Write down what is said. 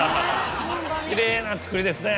きれいな作りですね。